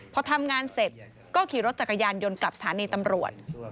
พอทำงานเสร็จก็ขี่รถจักรยานยนต์กลับสถานีตำรวจ